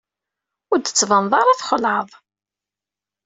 Ur d-tbaneḍ ara txelɛeḍ.